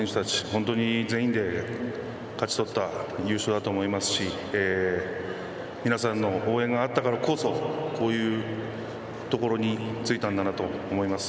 本当に全員で勝ち取った優勝だと思いますし皆さんの応援があったからこそこういうところに着いたんだなと思います。